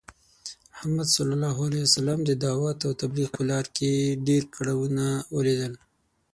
محمد ص د دعوت او تبلیغ په لاره کې ډی کړاوونه ولیدل .